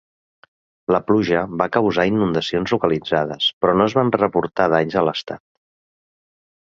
La pluja va causar inundacions localitzades, però no es van reportar danys a l'estat.